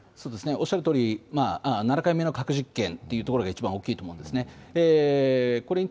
おっしゃるとおり、７回目の核実験というところがいちばん大きいと思うんです。